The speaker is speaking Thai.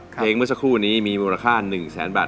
เมื่อสักครู่นี้มีมูลค่า๑แสนบาท